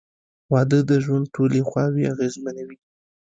• واده د ژوند ټولې خواوې اغېزمنوي.